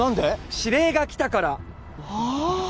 指令が来たからはあ！？